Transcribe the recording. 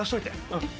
うん。